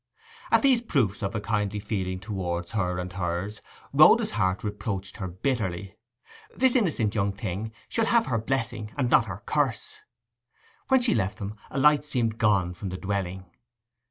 At these proofs of a kindly feeling towards her and hers Rhoda's heart reproached her bitterly. This innocent young thing should have her blessing and not her curse. When she left them a light seemed gone from the dwelling.